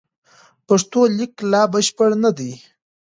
پښتو لیک لا بشپړ نه دی.